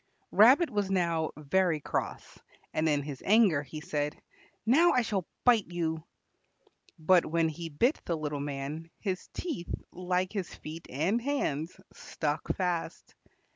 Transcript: Rabbit was now very cross, and in his anger he said, "Now I shall bite you," but when he bit the little man, his teeth, like his feet and hands, stuck fast.